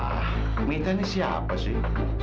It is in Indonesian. wah mita ini siapa sih